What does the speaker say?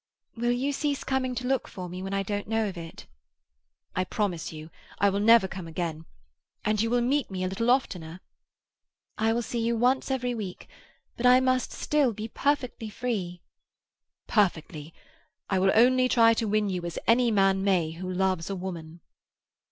"Will you cease coming to look for me when I don't know of it?" "I promise you. I will never come again. And you will meet me a little oftener?" "I will see you once every week. But I must still be perfectly free." "Perfectly! I will only try to win you as any man may who loves a woman."